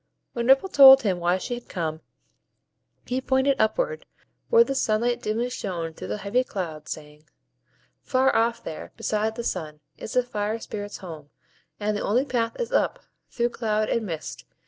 When Ripple told him why she had come, he pointed upward, where the sunlight dimly shone through the heavy clouds, saying,— "Far off there, beside the sun, is the Fire Spirits' home; and the only path is up, through cloud and mist.